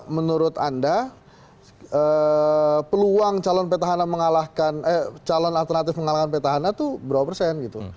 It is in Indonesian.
menurut anda peluang calon alternatif mengalahkan petahana itu berapa persen gitu